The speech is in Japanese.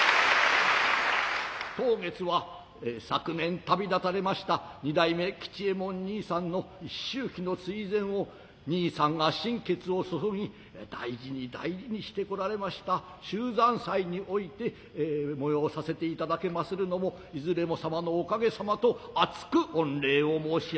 当月は昨年旅立たれました二代目吉右衛門にいさんの一周忌の追善をにいさんが心血を注ぎ大事に大事にしてこられました秀山祭において催させていただけまするのもいずれも様のおかげさまと厚く御礼を申し上げ奉りまする。